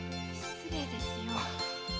失礼ですよ！